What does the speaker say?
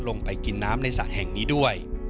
ลงไปกินน้ำในสระแห่งนี้ด้วย